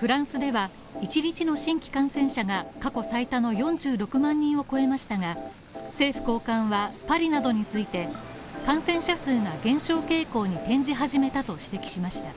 フランスでは、１日の新規感染者が過去最多の４６万人を超えましたが、政府高官はパリなどについて感染者数が減少傾向に転じ始めたと指摘しました。